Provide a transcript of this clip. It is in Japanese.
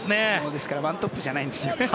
ですから１トップじゃないんですよね。